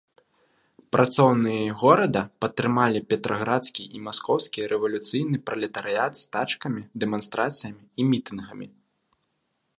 Працоўныя горада падтрымалі петраградскі і маскоўскі рэвалюцыйны пралетарыят стачкамі, дэманстрацыямі і мітынгамі.